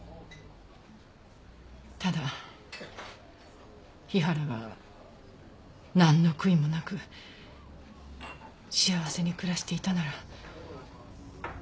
ただ日原がなんの悔いもなく幸せに暮らしていたなら。